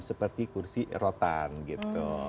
seperti kursi rotan gitu